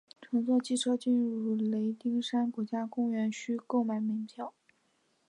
乘坐汽车进入雷丁山国家公园需购买门票。